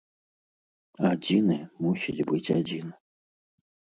Адзіны мусіць быць адзін.